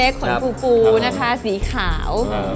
ขนฟูนะคะสีขาว